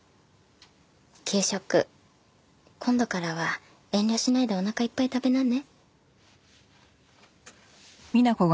給食今度からは遠慮しないでおなかいっぱい食べなね。